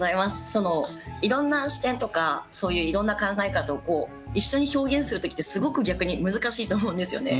そのいろんな視点とかそういういろんな考え方を一緒に表現する時ってすごく逆に難しいと思うんですよね。